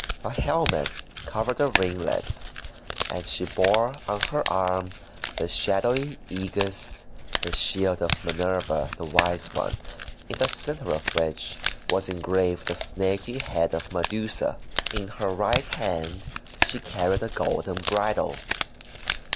A helmet covered her ringlets, and she bore on her arm the shadowy aegis — the shield of Minerva the Wise One — in the centre of which was engraved the snaky head of Medusa. In her right hand she carried a golden bridle.